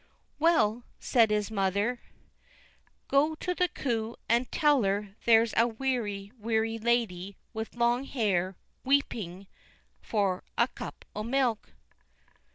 "Well," said his mother, "go to the coo and tell her there's a weary, weary lady with long yellow hair weeping for a cup o' milk."